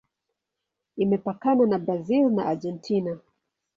Imepakana na Brazil na Argentina.